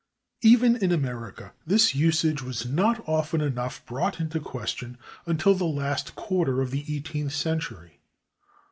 Even in America this usage was not often brought into question until the last quarter of the eighteenth century.